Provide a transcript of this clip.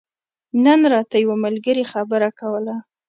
نن راته يو ملګري خبره کوله